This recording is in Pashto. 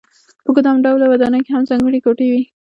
په ګدام ډوله ودانۍ کې هم ځانګړې کوټې وې.